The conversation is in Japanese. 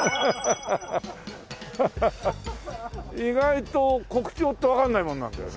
意外と国鳥ってわかんないもんなんだよね。